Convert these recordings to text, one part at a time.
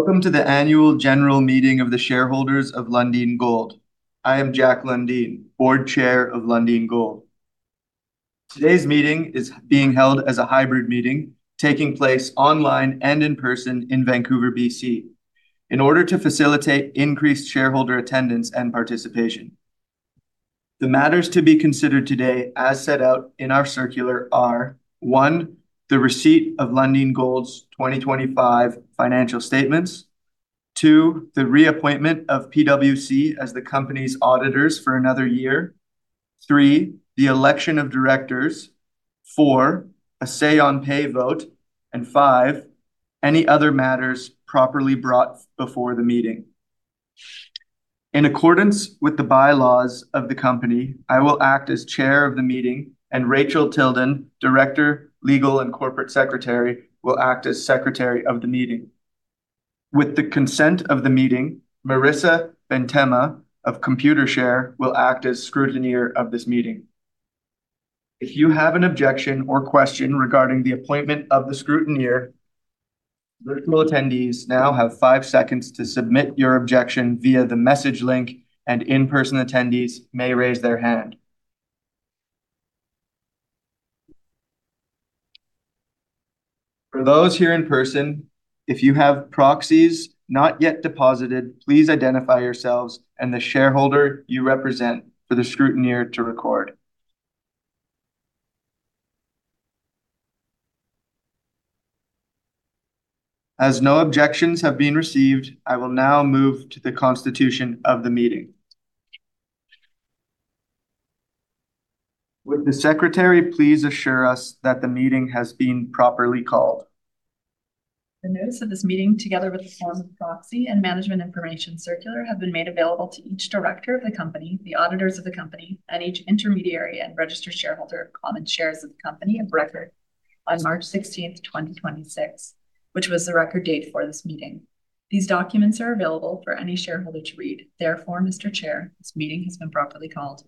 Welcome to the Annual General Meeting of the Shareholders of Lundin Gold. I am Jack Lundin, Board Chair of Lundin Gold. Today's meeting is being held as a hybrid meeting, taking place online and in person in Vancouver, BC, in order to facilitate increased shareholder attendance and participation. The matters to be considered today, as set out in our circular, are, one, the receipt of Lundin Gold's 2025 financial statements. Two, the reappointment of PwC as the company's auditors for another year. Three, the election of directors. Four, a say on pay vote. Five, any other matters properly brought before the meeting. In accordance with the bylaws of the company, I will act as chair of the meeting, and Sheila Colman, Director, Legal, and Corporate Secretary, will act as secretary of the meeting. With the consent of the meeting, Marissa Beintema of Computershare will act as scrutineer of this meeting. If you have an objection or question regarding the appointment of the scrutineer, virtual attendees now have five seconds to submit your objection via the message link, and in-person attendees may raise their hand. For those here in person, if you have proxies not yet deposited, please identify yourselves and the shareholder you represent for the scrutineer to record. As no objections have been received, I will now move to the constitution of the meeting. Would the secretary please assure us that the meeting has been properly called? The notice of this meeting, together with the form of proxy and management information circular, have been made available to each director of the company, the auditors of the company, and each intermediary and registered shareholder of common shares of the company of record on March 16th, 2026, which was the record date for this meeting. These documents are available for any shareholder to read. Mr. Chair, this meeting has been properly called.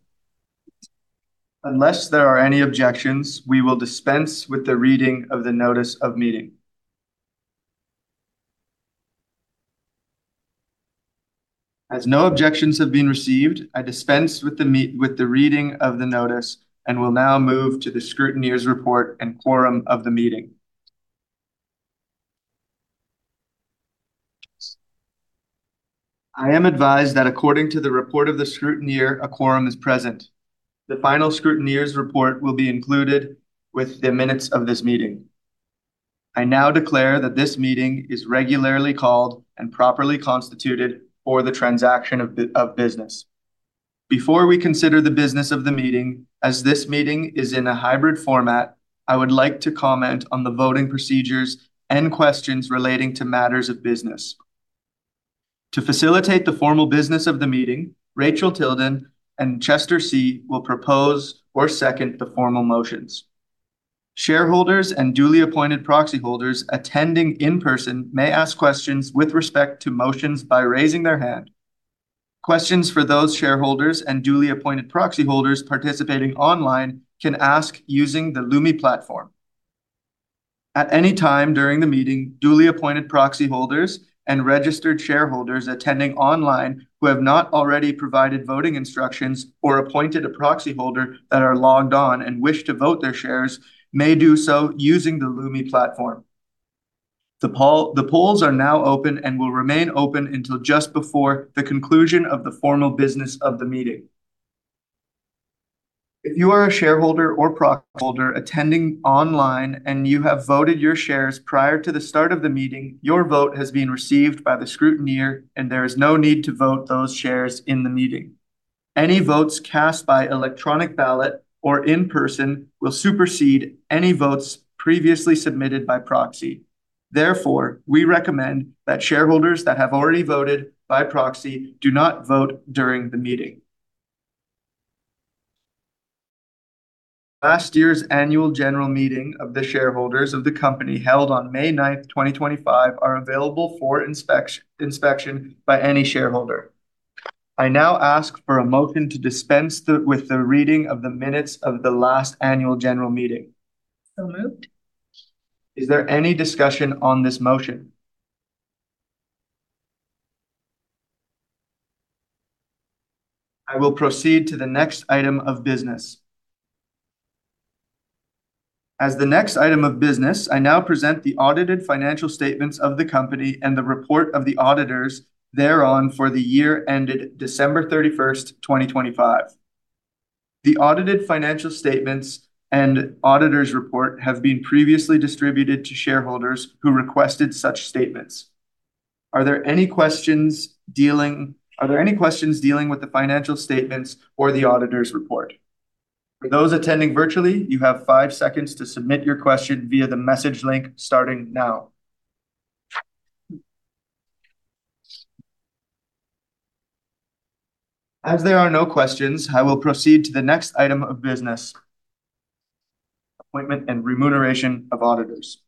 Unless there are any objections, we will dispense with the reading of the notice of meeting. As no objections have been received, I dispense with the reading of the notice and will now move to the scrutineer's report and quorum of the meeting. I am advised that according to the report of the scrutineer, a quorum is present. The final scrutineer's report will be included with the minutes of this meeting. I now declare that this meeting is regularly called and properly constituted for the transaction of business. Before we consider the business of the meeting, as this meeting is in a hybrid format, I would like to comment on the voting procedures and questions relating to matters of business. To facilitate the formal business of the meeting, Rachelle Tilden and Chester See will propose or second the formal motions. Shareholders and duly appointed proxy holders attending in person may ask questions with respect to motions by raising their hand. Questions for those shareholders and duly appointed proxy holders participating online can ask using the Lumi platform. At any time during the meeting, duly appointed proxy holders and registered shareholders attending online who have not already provided voting instructions or appointed a proxy holder that are logged on and wish to vote their shares may do so using the Lumi platform. The polls are now open and will remain open until just before the conclusion of the formal business of the meeting. If you are a shareholder or proxy holder attending online and you have voted your shares prior to the start of the meeting, your vote has been received by the scrutineer and there is no need to vote those shares in the meeting. Any votes cast by electronic ballot or in person will supersede any votes previously submitted by proxy. Therefore, we recommend that shareholders that have already voted by proxy do not vote during the meeting. Last year's Annual General Meeting of the Shareholders of the company held on May 9th, 2025, are available for inspection by any shareholder. I now ask for a motion to dispense with the reading of the minutes of the last Annual General Meeting. Moved. Is there any discussion on this motion? I will proceed to the next item of business. As the next item of business, I now present the audited financial statements of the company and the report of the auditors thereon for the year ended December 31st, 2025. The audited financial statements and auditor's report have been previously distributed to shareholders who requested such statements. Are there any questions dealing with the financial statements or the auditor's report? For those attending virtually, you have five seconds to submit your question via the message link starting now. As there are no questions, I will proceed to the next item of business, appointment and remuneration of auditors.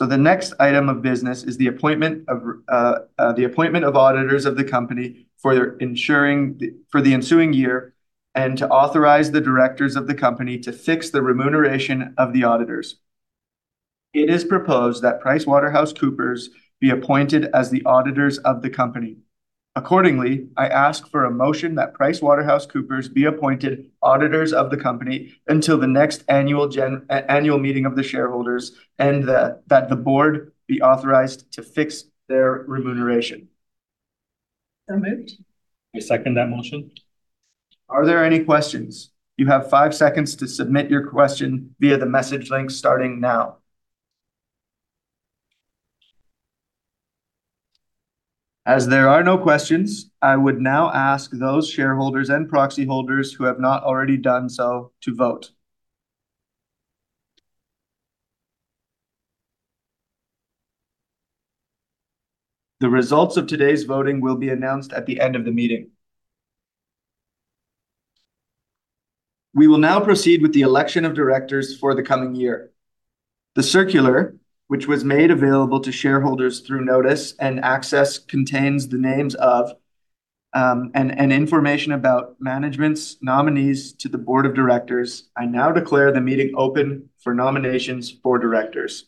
The next item of business is the appointment of auditors of the company for the ensuing year to authorize the directors of the company to fix the remuneration of the auditors. It is proposed that PricewaterhouseCoopers be appointed as the auditors of the company. Accordingly, I ask for a motion that PricewaterhouseCoopers be appointed auditors of the company until the next annual meeting of the shareholders, that the board be authorized to fix their remuneration. Moved. I second that motion. Are there any questions? You have five seconds to submit your question via the message link starting now. As there are no questions, I would now ask those shareholders and proxy holders who have not already done so to vote. The results of today's voting will be announced at the end of the meeting. We will now proceed with the election of directors for the coming year. The circular, which was made available to shareholders through notice and access, contains the names of, and information about management's nominees to the board of directors. I now declare the meeting open for nominations for directors.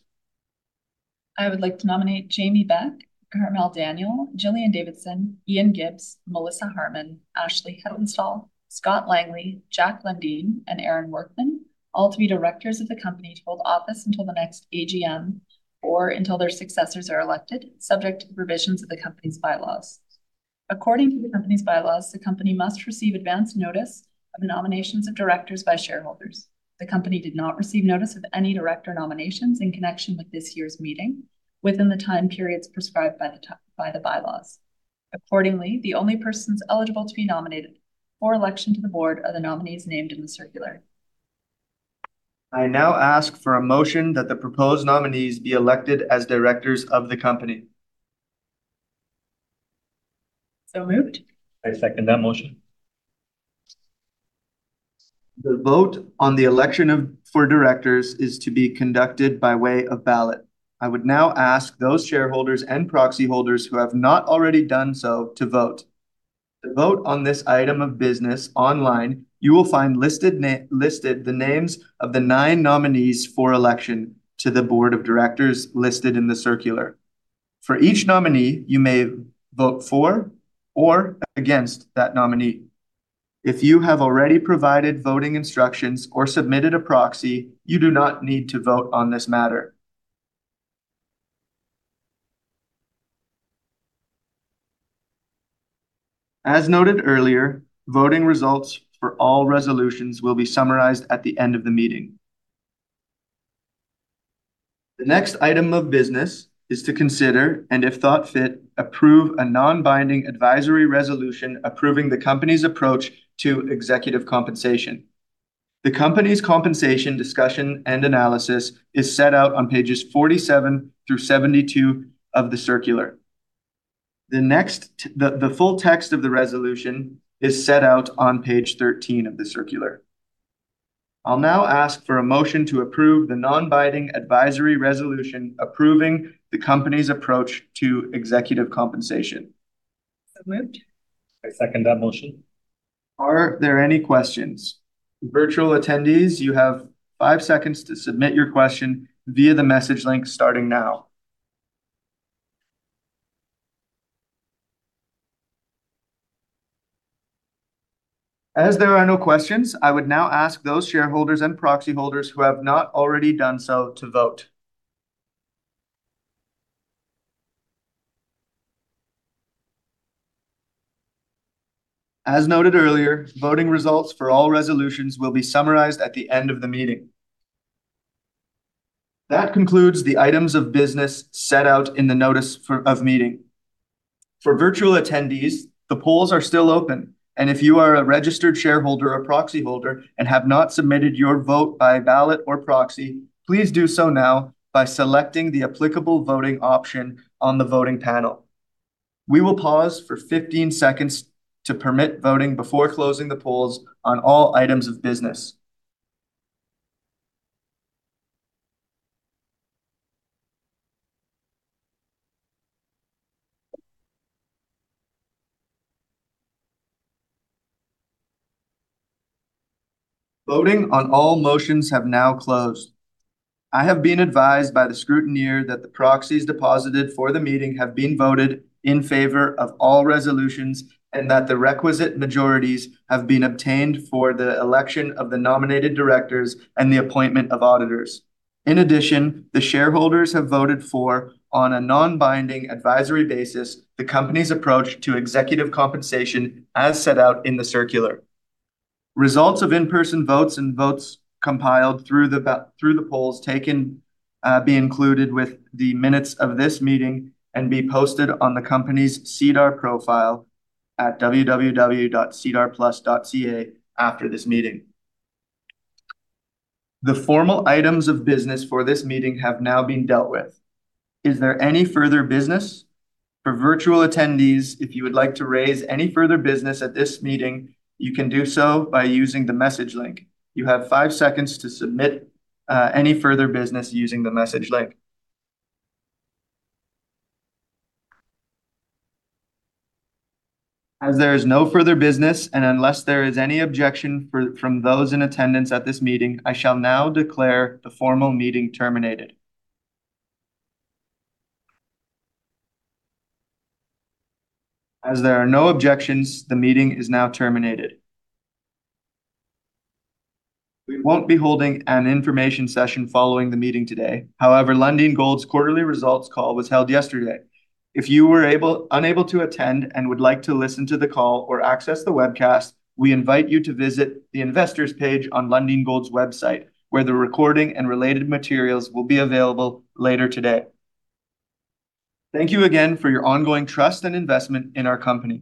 I would like to nominate Jamie Beck, Carmel Daniele, Gillian Davidson, Ian Gibbs, Melissa Harmon, Ashley Heppenstall, Scott Langley, Jack Lundin, and Erin Workman, all to be directors of the company to hold office until the next AGM or until their successors are elected, subject to the provisions of the company's bylaws. According to the company's bylaws, the company must receive advance notice of the nominations of directors by shareholders. The company did not receive notice of any director nominations in connection with this year's meeting within the time periods prescribed by the bylaws. Accordingly, the only persons eligible to be nominated for election to the board are the nominees named in the circular. I now ask for a motion that the proposed nominees be elected as directors of the company. So moved. I second that motion. The vote on the election for directors is to be conducted by way of ballot. I would now ask those shareholders and proxy holders who have not already done so to vote. To vote on this item of business online, you will find listed the names of the nine nominees for election to the board of directors listed in the circular. For each nominee, you may vote for or against that nominee. If you have already provided voting instructions or submitted a proxy, you do not need to vote on this matter. As noted earlier, voting results for all resolutions will be summarized at the end of the meeting. The next item of business is to consider, and if thought fit, approve a non-binding advisory resolution approving the company's approach to executive compensation. The company's compensation discussion and analysis is set out on pages 47 through 72 of the circular. The next, the full text of the resolution is set out on page 13 of the circular. I'll now ask for a motion to approve the non-binding advisory resolution approving the company's approach to executive compensation. So moved. I second that motion. Are there any questions? Virtual attendees, you have five seconds to submit your question via the message link starting now. As there are no questions, I would now ask those shareholders and proxy holders who have not already done so to vote. As noted earlier, voting results for all resolutions will be summarized at the end of the meeting. That concludes the items of business set out in the notice of meeting. For virtual attendees, the polls are still open, if you are a registered shareholder or proxy holder and have not submitted your vote by ballot or proxy, please do so now by selecting the applicable voting option on the voting panel. We will pause for 15 seconds to permit voting before closing the polls on all items of business. Voting on all motions have now closed. I have been advised by the scrutineer that the proxies deposited for the meeting have been voted in favor of all resolutions and that the requisite majorities have been obtained for the election of the nominated directors and the appointment of auditors. In addition, the shareholders have voted for, on a non-binding advisory basis, the company's approach to executive compensation as set out in the circular. Results of in-person votes and votes compiled through the polls taken, be included with the minutes of this meeting and be posted on the company's SEDAR profile at www.sedarplus.ca after this meeting. The formal items of business for this meeting have now been dealt with. Is there any further business? For virtual attendees, if you would like to raise any further business at this meeting, you can do so by using the message link. You have five seconds to submit any further business using the message link. As there is no further business, and unless there is any objection from those in attendance at this meeting, I shall now declare the formal meeting terminated. As there are no objections, the meeting is now terminated. We won't be holding an information session following the meeting today. Lundin Gold's quarterly results call was held yesterday. If you were unable to attend and would like to listen to the call or access the webcast, we invite you to visit the Investors page on Lundin Gold's website, where the recording and related materials will be available later today. Thank you again for your ongoing trust and investment in our company.